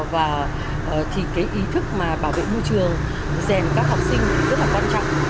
và thì cái ý thức mà bảo vệ môi trường rèn các học sinh thì rất là quan trọng